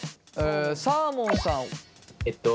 サーモンさん。